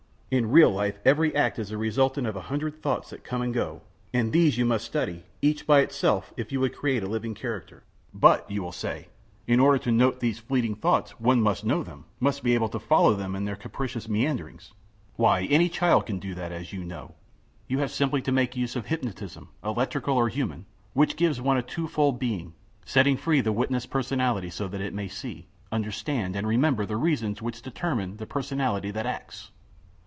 In real life every act is the resultant of a hundred thoughts that come and go, and these you must study, each by itself, if you would create a living character. 'But,' you will say, 'in order to note these fleeting thoughts one must know them, must be able to follow them in their capricious meanderings.' Why, any child can do that, as you know. You have simply to make use of hypnotism, electrical or human, which gives one a two fold being, setting free the witness personality so that it may see, understand, and remember the reasons which determine the personality that acts.